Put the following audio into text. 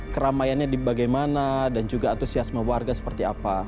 keramaiannya di bagaimana dan juga atusiasme warga seperti apa